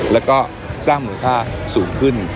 แล้วก็สร้างมูลค่าสูงขึ้น